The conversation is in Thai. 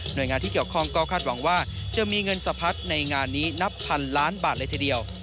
โดยงานที่เกี่ยวข้องก็คาดหวังว่าจะมีเงินสะพัดในงานนี้นับพันล้านบาทเลยทีเดียว